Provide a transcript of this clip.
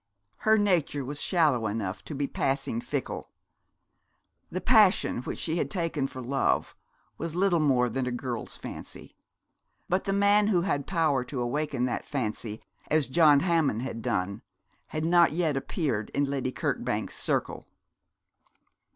Her nature was shallow enough to be passing fickle; the passion which she had taken for love was little more than a girl's fancy; but the man who had power to awaken that fancy as John Hammond had done had not yet appeared in Lady Kirkbank's circle.